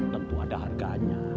tentu ada harganya